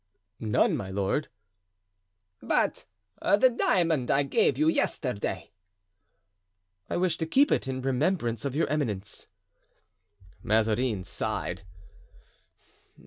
"None, my lord." "But the diamond I gave you yesterday?" "I wish to keep it in remembrance of your eminence." Mazarin sighed.